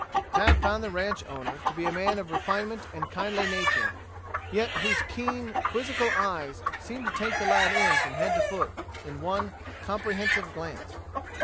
Tad found the ranch owner to be a man of refinement and kindly nature, yet whose keen, quizzical eyes seemed to take the lad in from head to foot in one comprehensive glance.